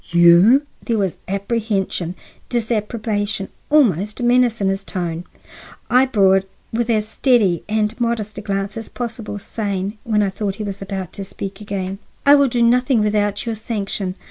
"You?" There was apprehension, disapprobation, almost menace in his tone. I bore it with as steady and modest a glance as possible, saying, when I thought he was about to speak again: "I will do nothing without your sanction.